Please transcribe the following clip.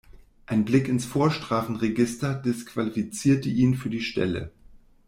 Ein Blick ins Vorstrafenregister disqualifizierte ihn für die Stelle.